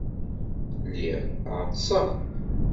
Lliɣ ɛeḍḍseɣ.